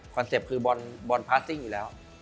เป็ตคือบอลพาสซิ่งอยู่แล้ว